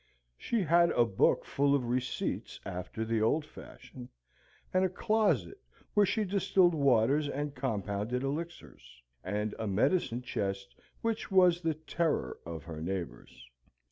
She had a book full of receipts after the old fashion, and a closet where she distilled waters and compounded elixirs, and a medicine chest which was the terror of her neighbours.